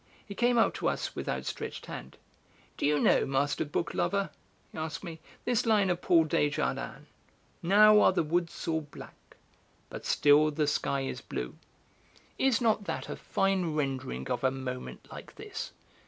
He came up to us with outstretched hand: "Do you know, master book lover," he asked me, "this line of Paul Desjardins? Now are the woods all black, but still the sky is blue. Is not that a fine rendering of a moment like this?